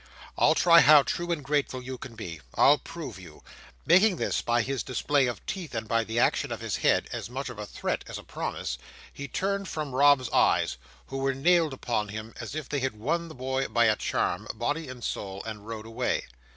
I'll try how true and grateful you can be. I'll prove you!" Making this, by his display of teeth and by the action of his head, as much a threat as a promise, he turned from Rob's eyes, which were nailed upon him as if he had won the boy by a charm, body and soul, and rode away.